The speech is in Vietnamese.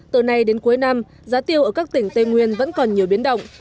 từ nay đến cuối năm giá tiêu ở các tỉnh tây nguyên vẫn còn nhiều biến động